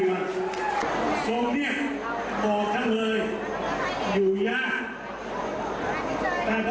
มีเช่านั้นใครรู้ด้วยมาก